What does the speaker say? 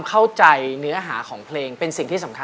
ก็ฉันก็ลาค่ะ